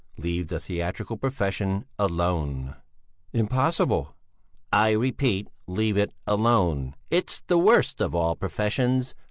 Leave the theatrical profession alone!" "Impossible!" "I repeat, leave it alone! It's the worst of all professions!